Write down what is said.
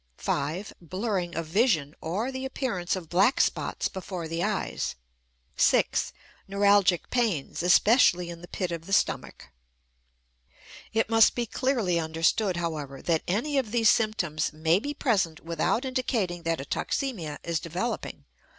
(5) Blurring of vision, or the appearance of black spots before the eyes. (6) Neuralgic pains, especially in the pit of the stomach. It must be clearly understood, however, that any of these symptoms may be present without indicating that a toxemia is developing.